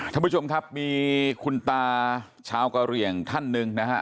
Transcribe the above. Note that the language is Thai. ท่านผู้ชมครับมีคุณตาชาวกะเหลี่ยงท่านหนึ่งนะฮะ